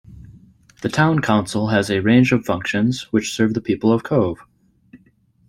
The Town Council has a range of functions which serve the people of Cobh.